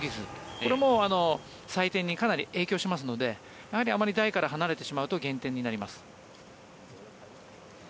これも採点にかなり影響しますのであまり台から離れてしまうと減点になります。